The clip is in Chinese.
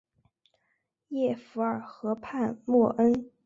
耶弗尔河畔默恩。